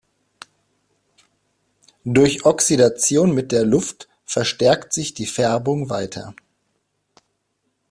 Durch Oxidation mit der Luft verstärkt sich die Färbung weiter.